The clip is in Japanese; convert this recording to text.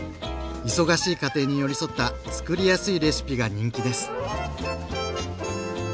忙しい家庭に寄り添ったつくりやすいレシピが人気です。